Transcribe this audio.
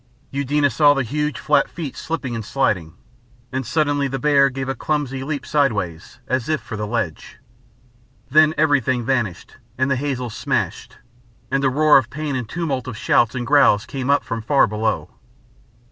Eudena saw the huge, flat feet slipping and sliding, and suddenly the bear gave a clumsy leap sideways, as if for the ledge. Then everything vanished, and the hazels smashed, and a roar of pain and a tumult of shouts and growls came up from far below.